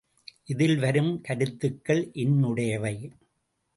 இதில் வரும் கருத்துக்கள் என்னுடையவை.